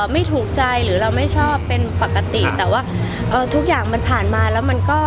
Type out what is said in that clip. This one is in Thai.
ไม่ถูกใจหรือเราไม่ชอบเป็นปกติแต่ว่าเอ่อทุกอย่างมันผ่านมาแล้วมันก็